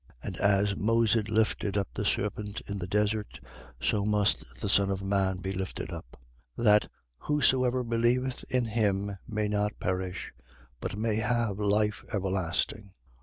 3:14. And as Moses lifted up the serpent in the desert, so must the Son of man be lifted up: 3:15. That whosoever believeth in him may not perish, but may have life everlasting.